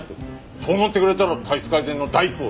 そう思ってくれたら体質改善の第一歩。